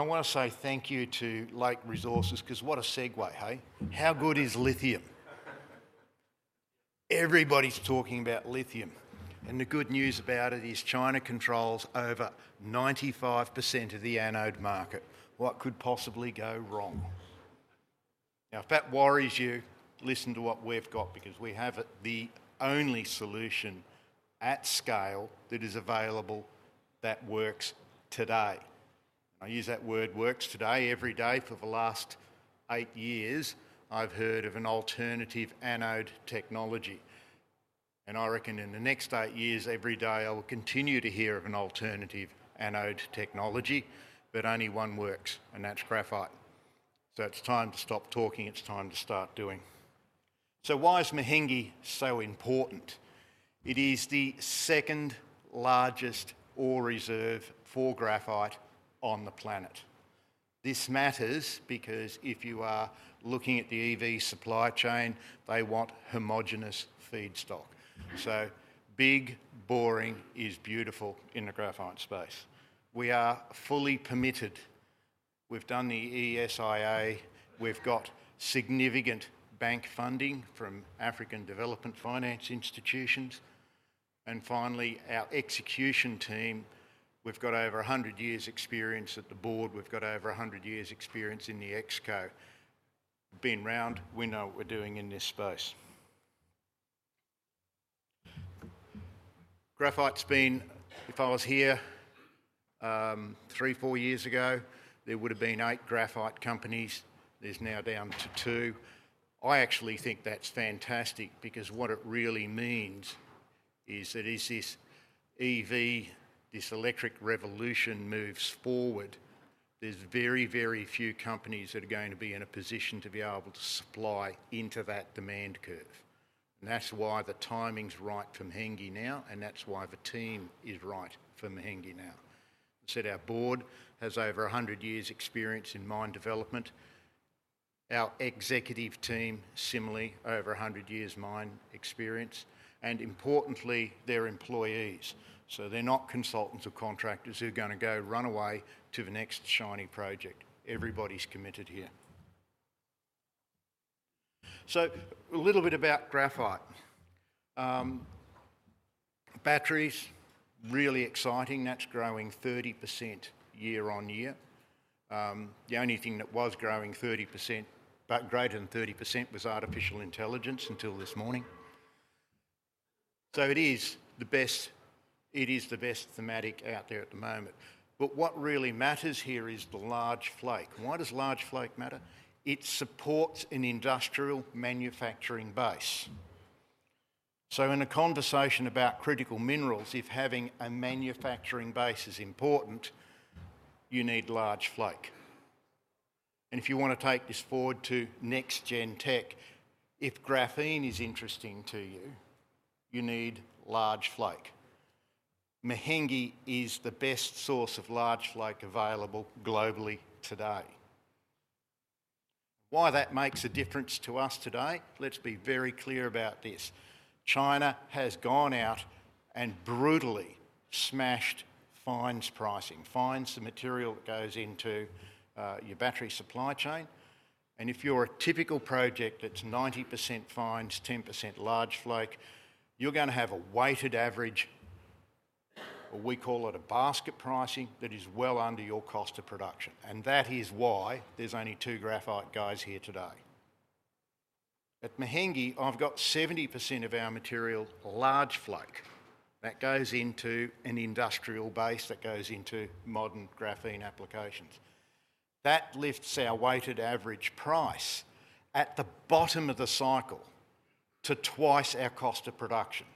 I want to say thank you to Lake Resources because what a segue, hey? How good is lithium? Everybody's talking about lithium, and the good news about it is China controls over 95% of the anode market. What could possibly go wrong? If that worries you, listen to what we've got because we have the only solution at scale that is available that works today. I use that word "works today" every day for the last eight years. I've heard of an alternative anode technology, and I reckon in the next eight years, every day I will continue to hear of an alternative anode technology, but only one works, and that's graphite. It's time to stop talking; it's time to start doing. Why is Mahenge so important? It is the second largest ore reserve for graphite on the planet. This matters because if you are looking at the EV supply chain, they want homogenous feedstock. Big, boring is beautiful in the graphite space. We are fully permitted. We have done the ESIA. We have significant bank funding from African Development Bank. Finally, our execution team, we have over 100 years' experience at the board. We have over 100 years' experience in the ExCo. Being round, we know what we are doing in this space. Graphite has been—if I was here three, four years ago, there would have been eight graphite companies. There is now down to two. I actually think that is fantastic because what it really means is that as this EV, this electric revolution moves forward, there are very, very few companies that are going to be in a position to be able to supply into that demand curve. That is why the timing is right for Mahenge now, and that is why the team is right for Mahenge now. I said our board has over 100 years' experience in mine development. Our executive team, similarly, over 100 years' mine experience. Importantly, they are employees. They are not consultants or contractors who are going to go run away to the next shiny project. Everybody is committed here. A little bit about graphite. Batteries—really exciting. That is growing 30% year on year. The only thing that was growing 30%, but greater than 30%, was artificial intelligence until this morning. It is the best—it is the best thematic out there at the moment. What really matters here is the large flake. Why does large flake matter? It supports an industrial manufacturing base. In a conversation about critical minerals, if having a manufacturing base is important, you need large flake. If you want to take this forward to next-gen tech, if graphene is interesting to you, you need large flake. Mahenge is the best source of large flake available globally today. Why that makes a difference to us today? Let's be very clear about this. China has gone out and brutally smashed fines pricing. Fines are the material that goes into your battery supply chain. If you're a typical project that's 90% fines, 10% large flake, you're going to have a weighted average, or we call it a basket pricing, that is well under your cost of production. That is why there's only two graphite guys here today. At Mahenge, I've got 70% of our material large flake. That goes into an industrial base that goes into modern graphene applications. That lifts our weighted average price at the bottom of the cycle to twice our cost of production.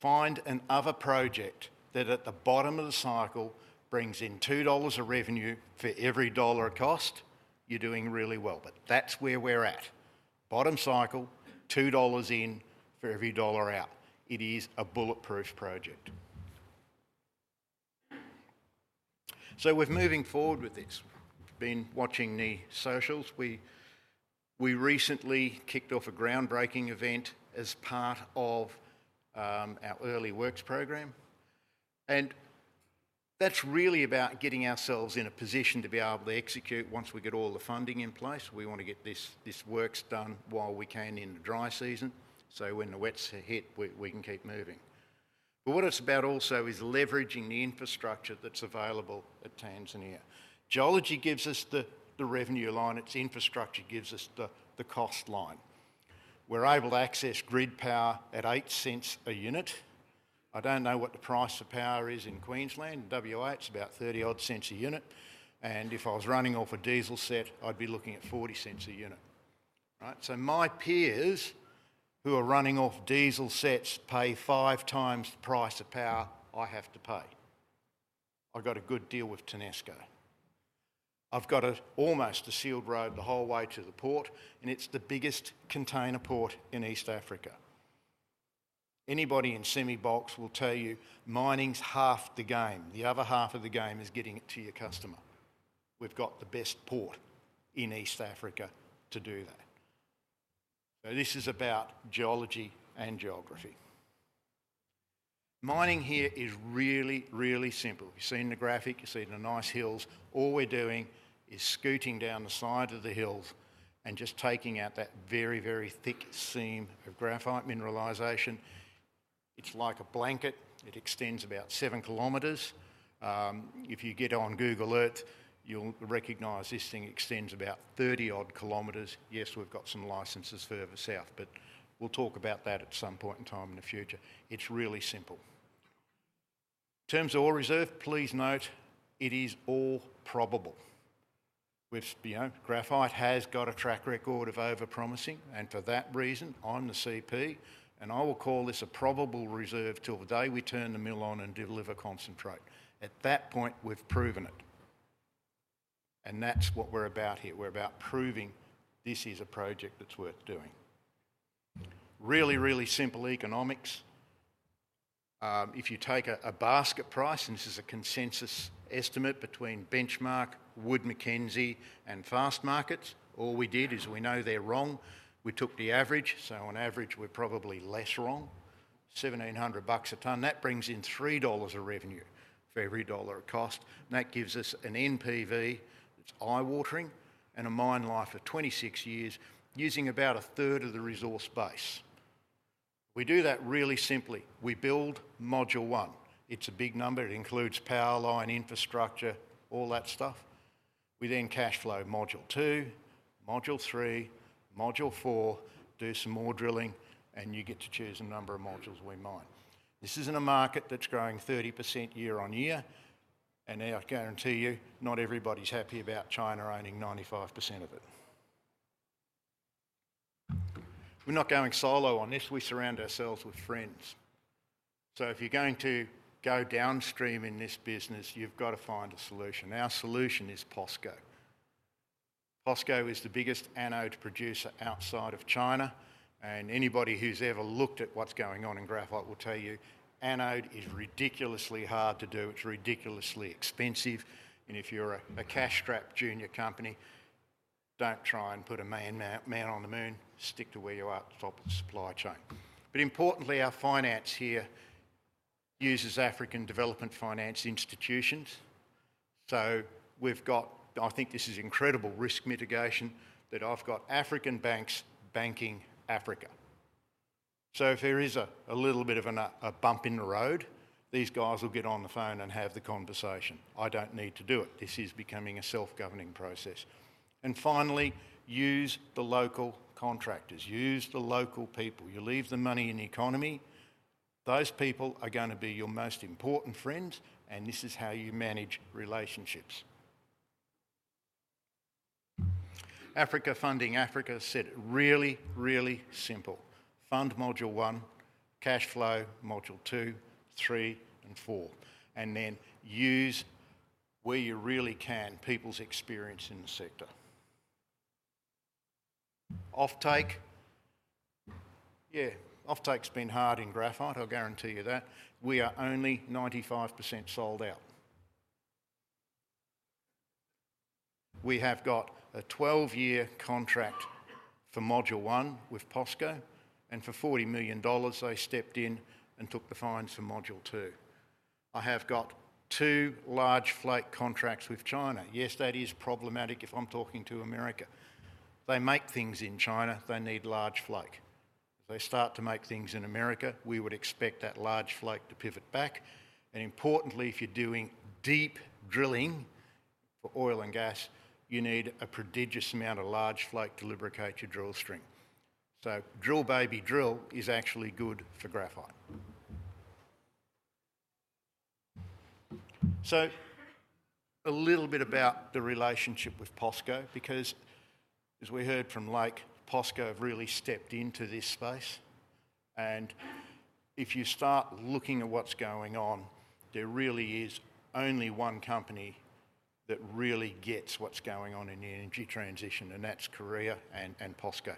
Find another project that at the bottom of the cycle brings in 2 dollars of revenue for every dollar of cost. You're doing really well, but that's where we're at. Bottom cycle, 2 dollars in for every dollar out. It is a bulletproof project. We are moving forward with this. We've been watching the socials. We recently kicked off a groundbreaking event as part of our early works program. That's really about getting ourselves in a position to be able to execute once we get all the funding in place. We want to get this works done while we can in the dry season. When the wets hit, we can keep moving. What it's about also is leveraging the infrastructure that's available at Tanzania. Geology gives us the revenue line. Its infrastructure gives us the cost line. We're able to access grid power at 0.08 a unit. I don't know what the price of power is in Queensland. In [Western Australia], it's about 0.30-odd a unit. If I was running off a diesel set, I'd be looking at 0.40 a unit. Right? My peers who are running off diesel sets pay five times the price of power I have to pay. I've got a good deal with TANESCO. I've got almost a sealed road the whole way to the port, and it's the biggest container port in East Africa. Anybody in Simi Bolks will tell you mining's half the game. The other half of the game is getting it to your customer. We've got the best port in East Africa to do that. This is about geology and geography. Mining here is really, really simple. You've seen the graphic. You've seen the nice hills. All we're doing is scooting down the side of the hills and just taking out that very, very thick seam of graphite mineralization. It's like a blanket. It extends about 7 kilometers. If you get on Google Earth, you'll recognize this thing extends about 30-odd kilometers. Yes, we've got some licenses further south, but we'll talk about that at some point in time in the future. It's really simple. In terms of ore reserve, please note it is ore probable. Graphite has got a track record of over-promising, and for that reason, I'm the CP, and I will call this a probable reserve till the day we turn the mill on and deliver concentrate. At that point, we've proven it. That's what we're about here. We're about proving this is a project that's worth doing. Really, really simple economics. If you take a basket price, and this is a consensus estimate between Benchmark, Wood Mackenzie, and Fastmarkets, all we did is we know they're wrong. We took the average. So on average, we're probably less wrong. 1,700 bucks a tonne. That brings in 3 dollars of revenue for every dollar of cost. And that gives us an NPV that's eye-watering and a mine life of 26 years using about a third of the resource base. We do that really simply. We build module one. It's a big number. It includes power line, infrastructure, all that stuff. We then cash flow module two, module three, module four, do some more drilling, and you get to choose the number of modules we mine. This isn't a market that's growing 30% year on year. And I guarantee you, not everybody's happy about China owning 95% of it. We're not going solo on this. We surround ourselves with friends. If you're going to go downstream in this business, you've got to find a solution. Our solution is POSCO. POSCO is the biggest anode producer outside of China. Anybody who's ever looked at what's going on in graphite will tell you anode is ridiculously hard to do. It's ridiculously expensive. If you're a cash-strapped junior company, don't try and put a man on the moon. Stick to where you are at the top of the supply chain. Importantly, our finance here uses African Development Finance Institutions. We've got—I think this is incredible risk mitigation—that I've got African banks banking Africa. If there is a little bit of a bump in the road, these guys will get on the phone and have the conversation. I don't need to do it. This is becoming a self-governing process. Finally, use the local contractors. Use the local people. You leave the money in the economy. Those people are going to be your most important friends, and this is how you manage relationships. Africa Funding Africa said it really, really simple. Fund module one, cash flow module two, three, and four. Then use where you really can people's experience in the sector. Offtake? Yeah. Offtake's been hard in graphite. I'll guarantee you that. We are only 95% sold out. We have got a 12-year contract for module one with POSCO. For 40 million dollars, they stepped in and took the fines for module two. I have got two large flake contracts with China. Yes, that is problematic if I'm talking to America. They make things in China. They need large flake. If they start to make things in America, we would expect that large flake to pivot back. Importantly, if you're doing deep drilling for oil and gas, you need a prodigious amount of large flake to lubricate your drill string. Drill, baby, drill is actually good for graphite. A little bit about the relationship with POSCO because, as we heard from Lake, POSCO have really stepped into this space. If you start looking at what's going on, there really is only one company that really gets what's going on in the energy transition, and that's Korea and POSCO.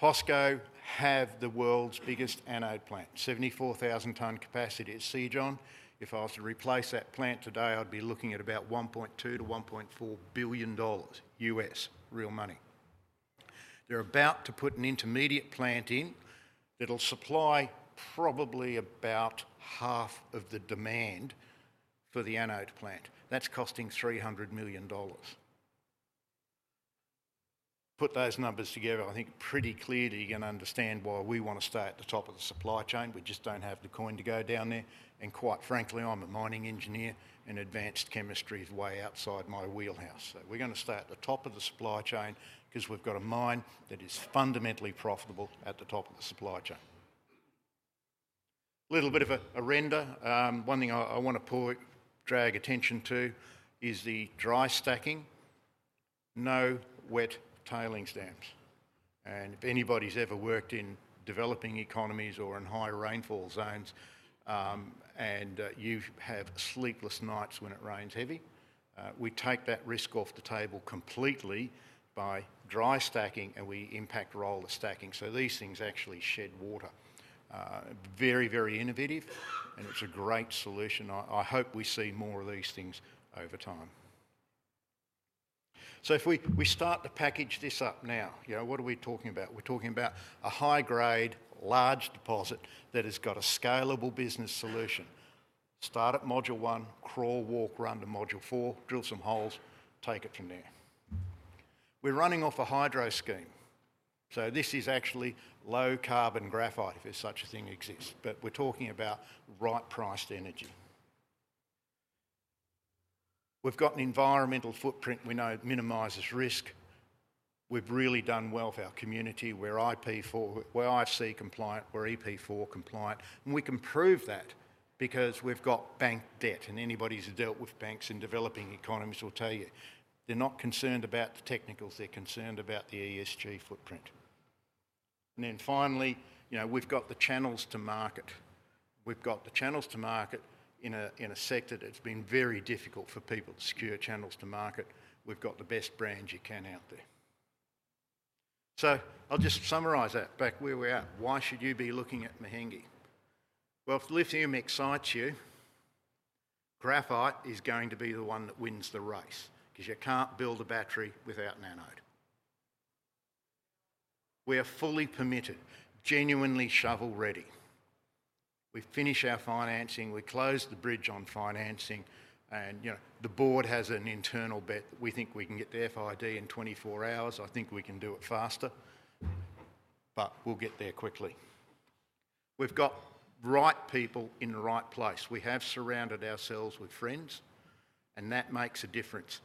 POSCO have the world's biggest anode plant, 74,000-ton capacity at Sejong. If I was to replace that plant today, I'd be looking at about $1.2 billion-$1.4 billion U.S. real money. They're about to put an intermediate plant in that'll supply probably about half of the demand for the anode plant. That's costing 300 million dollars. Put those numbers together, I think pretty clearly you're going to understand why we want to stay at the top of the supply chain. We just don't have the coin to go down there. Quite frankly, I'm a mining engineer, and advanced chemistry is way outside my wheelhouse. We are going to stay at the top of the supply chain because we've got a mine that is fundamentally profitable at the top of the supply chain. A little bit of a render. One thing I want to drag attention to is the dry stacking. No wet tailings dams. If anybody's ever worked in developing economies or in high rainfall zones and you have sleepless nights when it rains heavy, we take that risk off the table completely by dry stacking, and we impact roll the stacking. These things actually shed water. Very, very innovative, and it's a great solution. I hope we see more of these things over time. If we start to package this up now, what are we talking about? We're talking about a high-grade, large deposit that has got a scalable business solution. Start at module one, crawl, walk, run to module four, drill some holes, take it from there. We're running off a hydro scheme. This is actually low-carbon graphite if such a thing exists. We're talking about right-priced energy. We've got an environmental footprint we know minimizes risk. We've really done well for our community. We're EP4, we're IFC compliant, we're EP4 compliant. We can prove that because we've got bank debt. Anybody who's dealt with banks in developing economies will tell you they're not concerned about the technicals. They're concerned about the ESG footprint. Finally, we have the channels to market. We have the channels to market in a sector that has been very difficult for people to secure channels to market. We have the best brands you can out there. I will just summarize that back where we are at. Why should you be looking at Mahenge? If lithium excites you, graphite is going to be the one that wins the race because you cannot build a battery without an anode. We are fully permitted, genuinely shovel-ready. We finish our financing. We close the bridge on financing. The board has an internal bet that we think we can get the FID in 24 hours. I think we can do it faster, but we will get there quickly. We have the right people in the right place. We have surrounded ourselves with friends, and that makes a difference,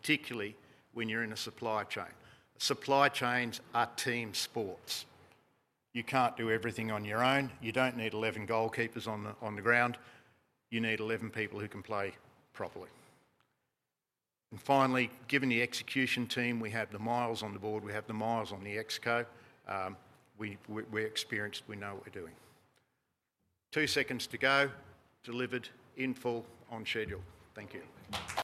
particularly when you're in a supply chain. Supply chains are team sports. You can't do everything on your own. You don't need 11 goalkeepers on the ground. You need 11 people who can play properly. Finally, given the execution team, we have the miles on the board. We have the miles on the ExCo. We're experienced. We know what we're doing. Two seconds to go. Delivered in full on schedule. Thank you.